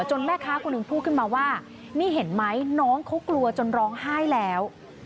แม่ค้าคนหนึ่งพูดขึ้นมาว่านี่เห็นไหมน้องเขากลัวจนร้องไห้แล้ว